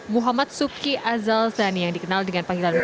muhammad suki azal zani yang dikenal dengan panggilan